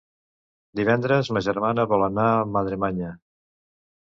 Divendres ma germana vol anar a Madremanya.